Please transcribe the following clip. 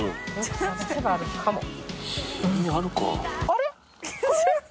あれ？